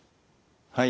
はい。